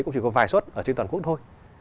cũng chỉ có vài suất trên toàn quốc thôi